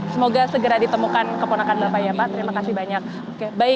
semoga segera ditemukan keponakan bapak ya pak terima kasih banyak